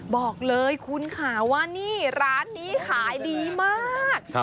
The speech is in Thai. บอกเลยคุณค่ะว่านี่ร้านนี้ขายดีมาก